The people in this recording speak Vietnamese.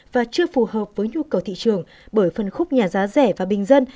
và chưa phù hợp với nhu cầu thị trường bởi phân khúc nhà giá rẻ và bình dân